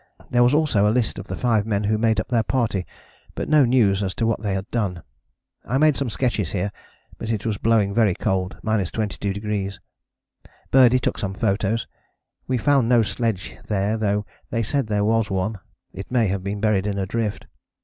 There was also a list of the five men who made up their party, but no news as to what they had done. I made some sketches here, but it was blowing very cold, 22°. Birdie took some photos. We found no sledge there though they said there was one: it may have been buried in drift.